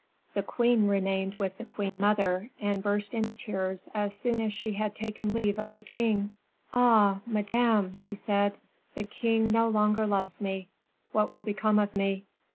The queen remained with the queen mother, and burst into tears as soon as she had taken leave of the king. "Ah, madame!" she said, "the king no longer loves me! What will become of me?"